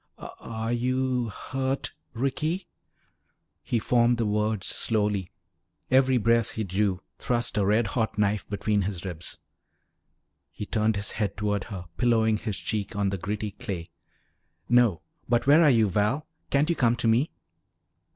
"Are you hurt, Ricky?" He formed the words slowly. Every breath he drew thrust a red hot knife between his ribs. He turned his head toward her, pillowing his cheek on the gritty clay. "No. But where are you, Val? Can't you come to me?"